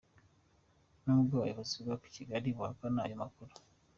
N’ubwo ubuyobozi bwako kagali buhakana ayo makuru.